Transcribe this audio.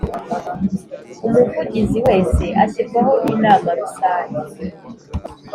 Umuvugizi wese ashyirwaho n Inama Rusange